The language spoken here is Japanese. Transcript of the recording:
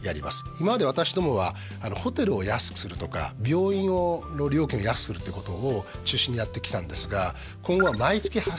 今まで私どもはホテルを安くするとか病院の料金を安くするっていうことを中心にやってきたんですが今後は毎月発生するようなサービス